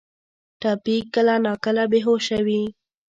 ټپي کله ناکله بې هوشه وي.